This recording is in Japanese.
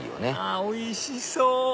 あおいしそう！